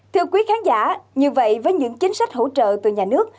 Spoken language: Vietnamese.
thưa quý khán giả như vậy với những chính sách hỗ trợ từ nhà nước